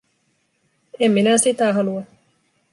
En minä sitä halua.